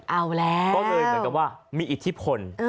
เอาแล้วก็เลยเหมือนกับว่ามีอิทธิพล